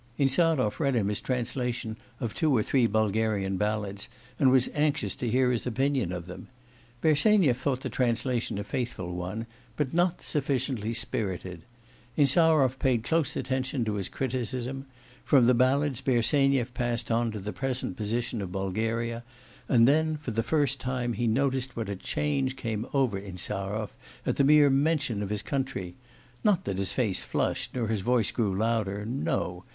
Insarov read him his translation of two or three Bulgarian ballads, and was anxious to hear his opinion of them. Bersenyev thought the translation a faithful one, but not sufficiently spirited. Insarov paid close attention to his criticism. From the ballads Bersenyev passed on to the present position of Bulgaria, and then for the first time he noticed what a change came over Insarov at the mere mention of his country: not that his face flushed nor his voice grew louder no!